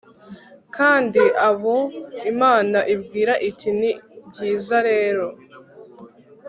kandi abo imana ibwira iti 'ni byiza rero